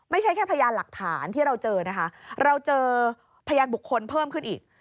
ไม่ใช่แค่พยานหลักฐานที่เราเจอนะคะเราเจอพยานบุคคลเพิ่มขึ้นอีก